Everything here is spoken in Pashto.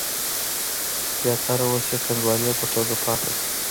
زیاتره اوس یې کنډوالې په توګه پاتې دي.